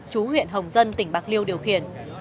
chú huyện hồng dân tỉnh bạc liêu điều khiển